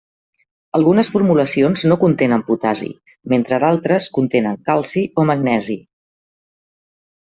Algunes formulacions no contenen potassi, mentre altres contenen calci o magnesi.